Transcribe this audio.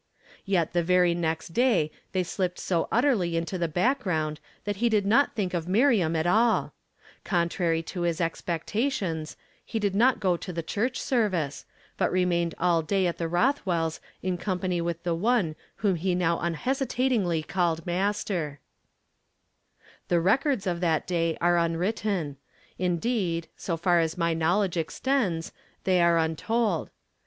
_ Yet the very next day they slipped so utterly into tlie background that he did not think of Mir iam at all. Contrary to his expectations, he did not go to the ciiurch service, but remained all day at tlie Kothwells' in company with the One whom he now unhesitatingly called Master, be as l)efoi e? Vnna are coin " LOVER AND FRIEND PUT FAR i'ROM ME." 305 The records of that day are unwritten ; indeed so far as my knowledge extends, they are untold!